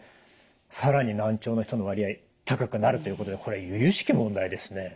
更に難聴の人の割合高くなるということでこれゆゆしき問題ですね。